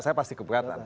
saya pasti keberatan